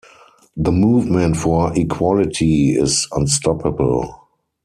The movement for equality is unstoppable.